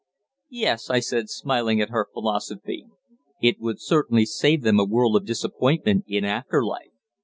"Yes," I said, smiling at her philosophy. "It would certainly save them a world of disappointment in after life.